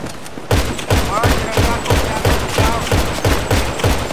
پآنچ رنگآ ڪو پيآ لو دکآئو